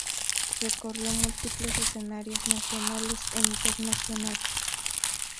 Recorrió múltiples escenarios nacionales e Internacionales.